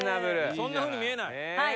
そんな風に見えない。